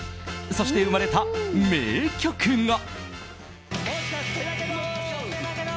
そして、生まれた名曲が。